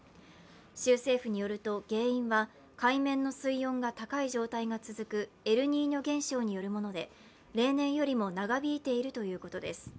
州政府によると原因は海面の水温が高い状態が続くエルニーニョ現象によるもので例年よりも長引いているということです。